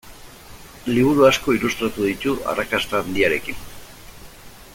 Liburu asko ilustratu ditu, arrakasta handiarekin.